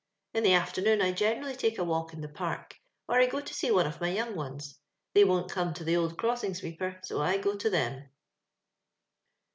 In the afternoon, I generally take a walk in the Park. or I go to see one of my young ones ; tliey won't come to the old crossing sweeper, so I go to them."